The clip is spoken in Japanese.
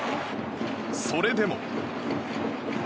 それでも。